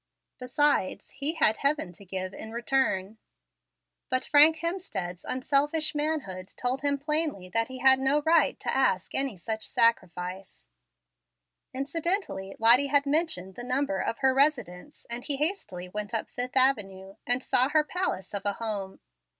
Besides, He had Heaven to give in return. But Frank Hemstead's unselfish manhood told him plainly that he had no right to ask any such sacrifice. Incidentally, Lottie had mentioned the number of her residence, and he hastily went up Fifth Avenue, and saw her palace of a home.